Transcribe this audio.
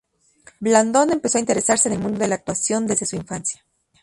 Blandón empezó a interesarse en el mundo de la actuación desde su infancia.